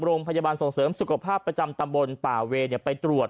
โรงพยาบาลส่งเสริมสุขภาพประจำตำบลป่าเวย์ไปตรวจ